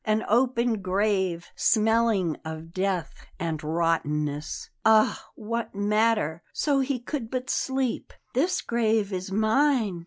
An open grave, smelling of death and rottenness Ah, what matter, so he could but sleep! "This grave is mine!"